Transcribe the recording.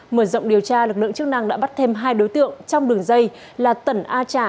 mở rộng điều tra lực lượng chức năng đã bắt thêm hai đối tượng trong đường dây là tần a trả